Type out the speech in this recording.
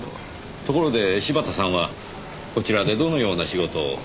ところで柴田さんはこちらでどのような仕事を。